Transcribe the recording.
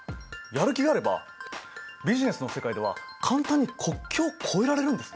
やる気があればビジネスの世界では簡単に国境を越えられるんですね。